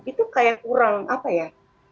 itu kayak kurang apa ya